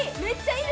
いい！